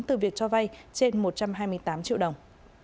từ việc cho vay trên một trăm hai mươi tám triệu đồng